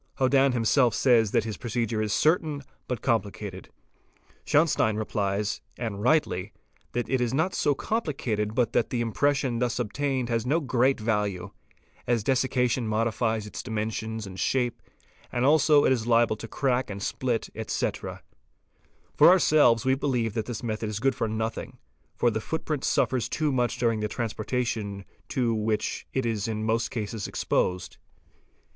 Hodann himself says that his procedure is certain but complicated. Schauenstein replies, and rightly, that it is not so complicated but that the impression thus obtained has no great value, as dessication modifies its dimensions and shape, and as also it is lable to crack and split, etc.; for ourselves we believe that this method is good for nothing, for the footprint suffers too much during the transportation to which it is in most cases exposed.